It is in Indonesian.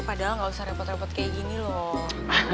padahal nggak usah repot repot kayak gini loh